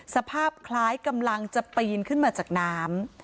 สภาพคล้ายกำลังจะปีนขึ้นมาจากน้ำ